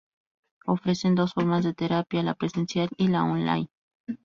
Ofrecen dos formas de terapia: la presencial y la "online".